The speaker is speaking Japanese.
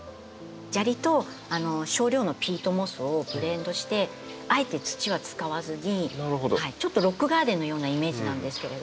砂利と少量のピートモスをブレンドしてあえて土は使わずにちょっとロックガーデンのようなイメージなんですけれども。